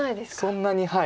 そんなにはい。